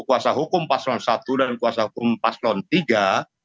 kuasa hukum paslon satu dan kuasa hukum paslon tiga